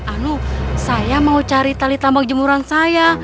anu saya mau cari tali tambang jemuran saya